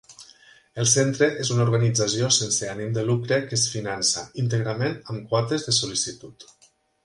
El Centre és una organització sense ànim de lucre que es finança íntegrament amb quotes de sol·licitud.